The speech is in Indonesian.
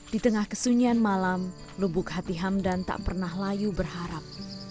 di tengah kesunyian malam lubuk hati hamdan tak pernah layu berharap